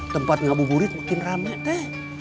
tempat ngabuburit makin rame teh